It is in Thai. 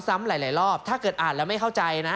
หลายรอบถ้าเกิดอ่านแล้วไม่เข้าใจนะ